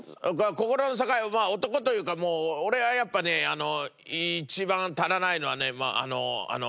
心の支えまあ男というかもう俺はやっぱね一番足らないのはねあのあの魂。